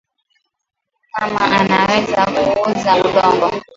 Mama anaweza ku uza udongo